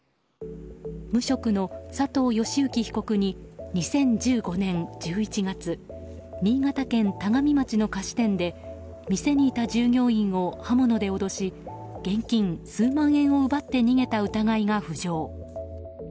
無職の佐藤被告に２０１５年１１月新潟県田上町の菓子店で店にいた従業員を刃物で脅し現金数万円を奪って逃げた疑いが浮上。